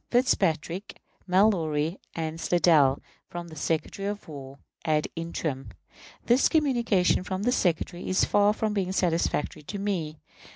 Fitzpatrick, Mallory, and Slidell, from the Secretary of War ad interim. This communication from the Secretary is far from being satisfactory to me.